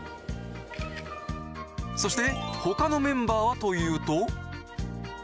そして他のメンバーはというと。